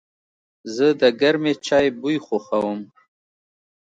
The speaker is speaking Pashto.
زه د گرمې چای بوی خوښوم.